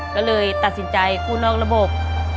ก็เลยตัดสินใจกู้นอกระบบ